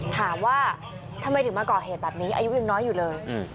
ถามว่าทำไมถึงมาก่อเหตุแบบนี้อายุยังน้อยอยู่เลย